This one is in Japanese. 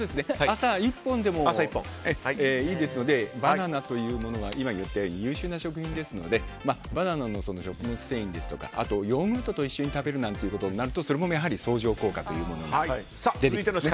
朝１本でもいいですのでバナナというものは今言ったように優秀な食品ですのでバナナの食物繊維ですとかヨーグルトと一緒に食べるなんていうことになるとそれも相乗効果が出てきます。